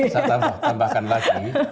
saya tambahkan lagi